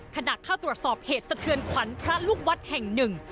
ขณะเข้าตรวจสอบเหตุสะเทือนขวัญพระลูกวัดแห่งหนึ่ง